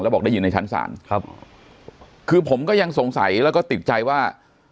บอกได้ยินในชั้นศาลครับคือผมก็ยังสงสัยแล้วก็ติดใจว่า